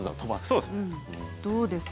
そうです。